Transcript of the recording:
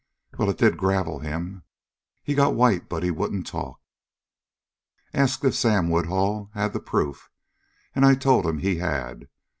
"Well, it did gravel him. He got white, but wouldn't talk. Asked if Sam Woodhull had the proof, and I told him he had.